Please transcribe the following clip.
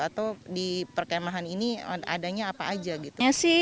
atau di perkemahan ini adanya apa aja gitu